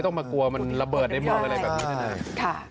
ก็กลัวมันระเบิดได้บอกอะไรแบบนี้แน่นาย